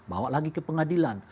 bawa lagi ke pengadilan